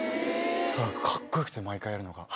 それがカッコ良くて毎回やるのが。